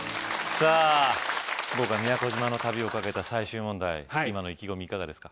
豪華宮古島の旅をかけた最終問題今の意気込みいかがですか？